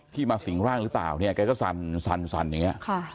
มาสิ่งร่างหรือเปล่าเนี่ยแกก็สั่นอย่างนี้